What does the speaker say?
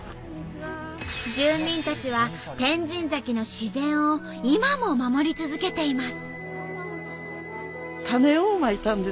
住民たちは天神崎の自然を今も守り続けています。